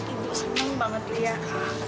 ibu seneng banget liat